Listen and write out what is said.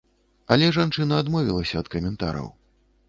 Але жанчына адмовілася ад каментараў.